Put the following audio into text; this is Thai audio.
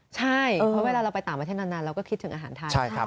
ใช่เพราะเวลาเราไปต่างประเทศนานเราก็คิดถึงอาหารไทย